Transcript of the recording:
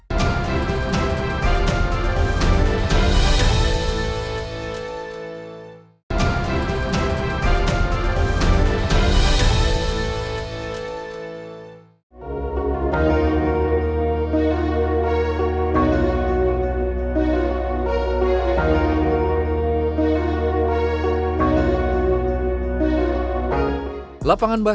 lembap dan cinta